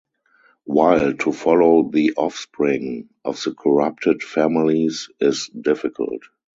While to follow the offspring of the corrupted families is difficult.